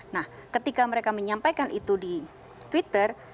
nah ketika mereka menyampaikan itu di twitter